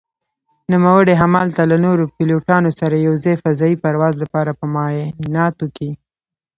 نوموړي هملته له نورو پيلوټانو سره يو ځاى فضايي پرواز لپاره په معايناتو کې